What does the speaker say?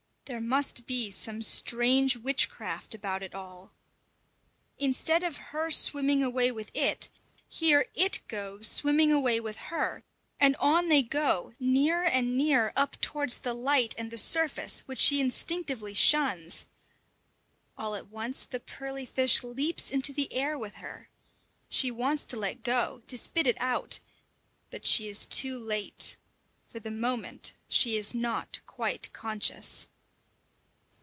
There must be some strange witchcraft about it all! Instead of her swimming away with it, here it goes swimming away with her, and on they go, nearer and nearer up towards the light and the surface, which she instinctively shuns. All at once the pearly fish leaps into the air with her. She wants to let go, to spit it out, but she is too late; for the moment she is not quite conscious.